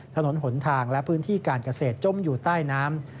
ถนนหนทางและพื้นที่การเกษตรจมอยู่ใต้น้ำ